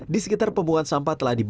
di sekitar pembuangan sampah telah dibuka